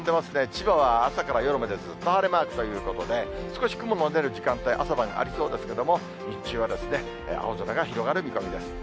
千葉は朝から夜までずっと晴れマークということで、少し雲も出る時間帯、朝晩ありそうですけれども、日中は青空が広がる見込みです。